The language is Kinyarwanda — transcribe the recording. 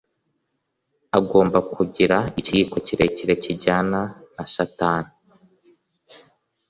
agomba kugira ikiyiko kirekire kijyana na satani.